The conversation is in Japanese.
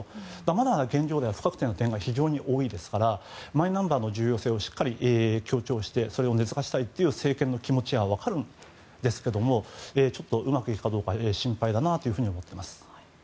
まだまだ現状では不確定な点が多いですからマイナンバーの重要性をしっかり強調してそれを根付かせたいという政権の気持ちは分かるんですけどもちょっとうまくいくかどうか心配だなと思っています。